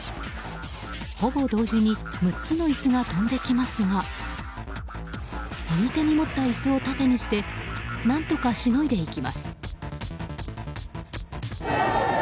ほぼ同時に６つの椅子が飛んできますが右手に持った椅子を盾にして何とかしのいでいきます。